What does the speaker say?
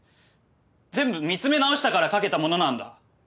全部見詰め直したから描けたものなんだ。